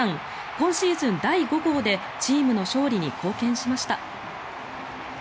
今シーズン第５号でチームの勝利に貢献しました。